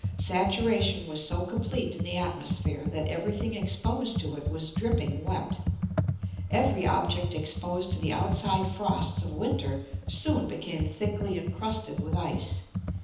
Saturation was so complete in the atmosphere that everything exposed to it was dripping wet. Every object exposed to the outside frosts of winter soon became thickly incrusted with ice.